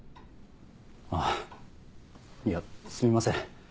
あぁいやすみません。